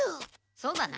そうだな。